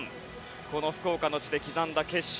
この福岡の地で刻んだ決勝